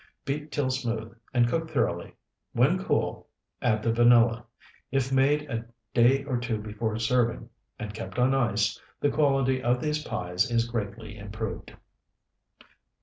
Beat till smooth, and cook thoroughly; when cool, add the vanilla. If made a day or two before serving, and kept on ice, the quality of these pies is greatly improved.